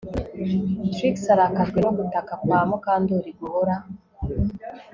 Trix arakajwe no gutaka kwa Mukandoli guhora